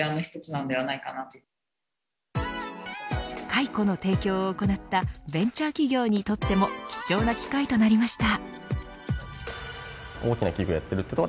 カイコの提供を行ったベンチャー企業にとっても貴重な機会となりました。